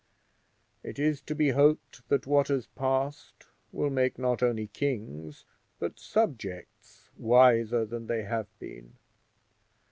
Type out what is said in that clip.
It is to be hoped that what has passed will make not only kings but subjects wiser than they have been.